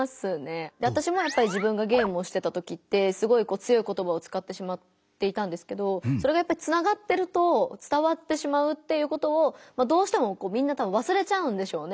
わたしもやっぱり自分がゲームをしてた時ってすごいこう強い言葉をつかってしまっていたんですけどそれがやっぱりつながってると伝わってしまうっていうことをどうしてもこうみんなたぶんわすれちゃうんでしょうね